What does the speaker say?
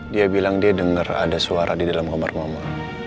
dia bilang dia dengar ada suara di dalam kamar mama